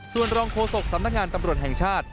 ส่วนรองโฆษกสำนักงานตำรวจแห่งชาติ